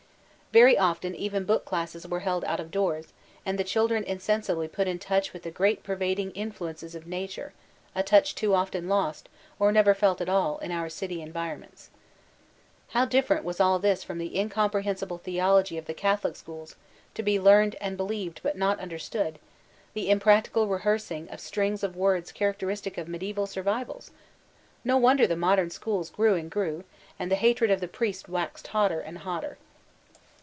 Very often even book classes were held out of doors, and the children insensibly put in touch with the great pervading influences of nature, a touch too often lost, or never felt at all, in our city environments. How different was all this from the incomprehensible theology of the Catholic schools to be learned and be lieved but not understood, the impractical rehearsing of strings of words characteristic of mediaeval survivals! No wonder the Modem Schools grew and grew, and the hatred of the priests waxed hotter and hotter.